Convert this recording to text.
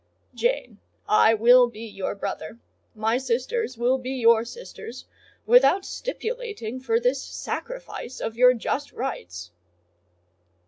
"Jane, I will be your brother—my sisters will be your sisters—without stipulating for this sacrifice of your just rights."